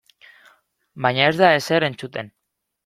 Baina ez da ezer entzuten.